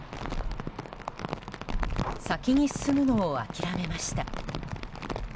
先に進むのを諦めました。